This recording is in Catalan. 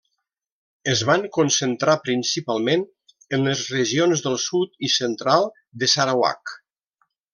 Es van concentrar principalment en les regions del sud i central de Sarawak.